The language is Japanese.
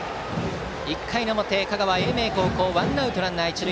１回の表、香川・英明高校ワンアウトランナー、一塁。